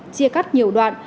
chia cắt nhiều đoạn